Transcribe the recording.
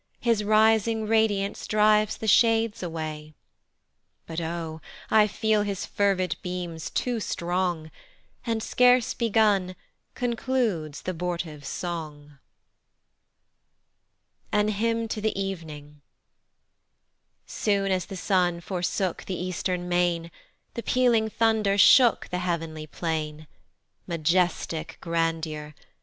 His rising radiance drives the shades away But Oh! I feel his fervid beams too strong, And scarce begun, concludes th' abortive song. An HYMN to the EVENING. SOON as the sun forsook the eastern main The pealing thunder shook the heav'nly plain; Majestic grandeur!